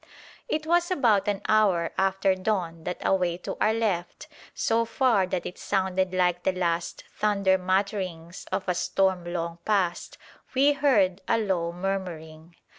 It was about an hour after dawn that away to our left so far that it sounded like the last thunder mutterings of a storm long past we heard a low murmuring.